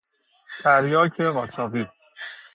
تریاک قاچاقی